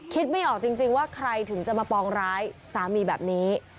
ไม่ออกจริงว่าใครถึงจะมาปองร้ายสามีแบบนี้